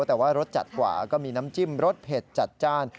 แต่ว่ารสจัดกว่าก็มีน้ำจิ้มรสเผ็ดจัดจ้าน